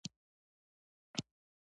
يوه شېبه يې خپله لور په غېږ کې ونيوله.